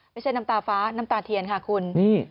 น้ำตาฟ้าน้ำตาเทียนค่ะคุณ